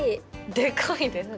でかいですね。